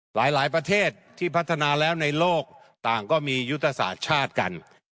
หลายประเทศที่พัฒนาแล้วในโลกต่างก็มียุทธศาสตร์ชาติกัน